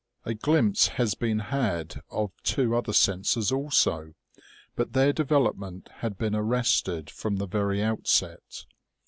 203 A glimpse has been had of two other senses also, but their development had been arrested from the very outset.